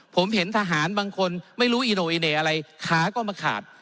ผมเห็นทหารบางคนไม่รู้อีโนอิเน่อะไรขาก็มาขาด